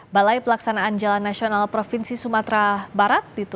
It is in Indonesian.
balai pelaksanaan jalan nasional provinsi sumatera barat